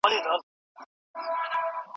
سم نیت آرامتیا نه کموي.